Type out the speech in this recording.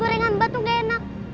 gorengan mbak tuh gak enak